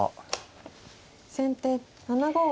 先手７五歩。